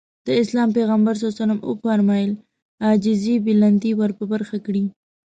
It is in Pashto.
د اسلام پيغمبر ص وفرمايل عاجزي بلندي ورپه برخه کړي.